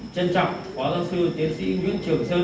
trân trọng phó giáo sư tiến sĩ nguyễn trường sơn